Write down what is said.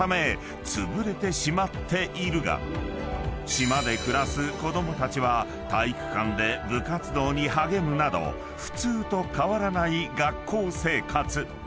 ［島で暮らす子供たちは体育館で部活動に励むなど普通と変わらない学校生活］